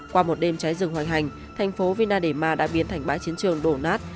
qua một đêm trái rừng hoành hành thành phố vina de mar đã biến thành bãi chiến trường đổ nát